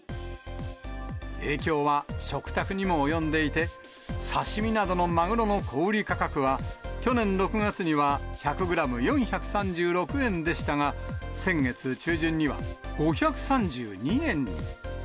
影響は食卓にも及んでいて、刺身などのマグロの小売り価格は、去年６月には１００グラム４３６円でしたが、先月中旬には、５３２円に。